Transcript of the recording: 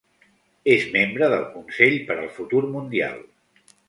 És membre del Consell per al Futur Mundial.